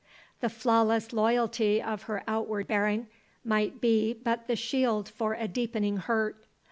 The flawless loyalty of her outward bearing might be but the shield for a deepening hurt.